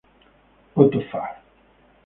Otto Fahr